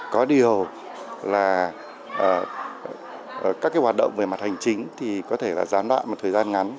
có điều là các cái hoạt động về mặt hành chính thì có thể là gián đoạn một thời gian ngắn